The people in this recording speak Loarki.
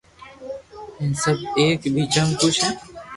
ھي ھين سب ايڪ ٻيجا مون خوݾ ھي